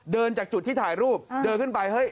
เดินจากจุดที่ถ่ายรูปเดินขึ้นไป